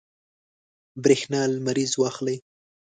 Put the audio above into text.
برېښنا لمریز واخلئ.